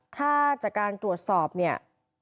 ถ้าจากการตรวจสอบเนี่ย